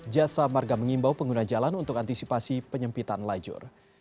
jasa marga mengimbau pengguna jalan untuk antisipasi penyempitan lajur